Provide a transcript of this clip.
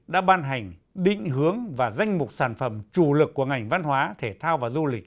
đã ban hành định hướng và danh mục sản phẩm chủ lực của ngành văn hóa thể thao và du lịch